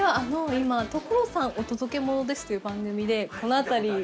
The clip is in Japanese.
今『所さんお届けモノです！』という番組でこの辺り。